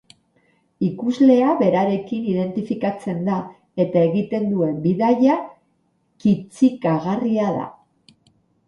Ikuslea berarekin identifikatzen da eta egiten duen bidaia kitzikagarria da.